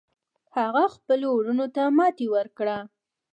هغه خپلو وروڼو ته ماتې ورکړه.